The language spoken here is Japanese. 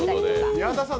矢田さん